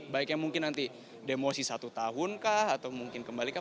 baiknya mungkin nanti demosi satu tahun kah atau mungkin kembali kah